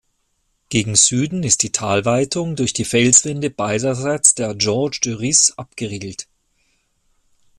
Gegen Süden ist die Talweitung durch die Felswände beiderseits der Gorges du Risse abgeriegelt.